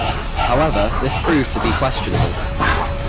However this proved to be questionable.